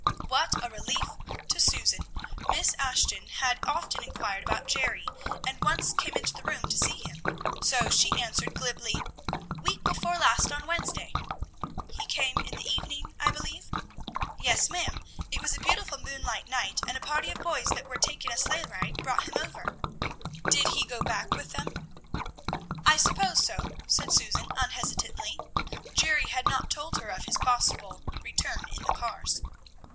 What a relief to Susan! Miss Ashton had often inquired about Jerry, and once came into the room to see him, so she answered glibly, "Week before last, on Wednesday." "He came in the evening, I believe." "Yes, ma'am: it was a beautiful moonlight night, and a party of boys that were taking a sleigh ride brought him over." "Did he go back with them?" "I suppose so," said Susan unhesitatingly. Jerry had not told her of his possible return in the cars.